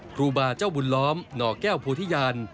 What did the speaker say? ครูบาเจ้าบุญล้อมหน่อแก้วโพธิญาณ